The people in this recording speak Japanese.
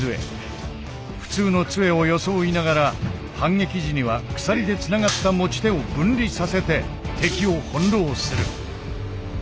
普通の杖を装いながら反撃時には鎖でつながった持ち手を分離させて敵を翻弄する。